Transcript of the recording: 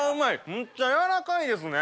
むっちゃやわらかいですね。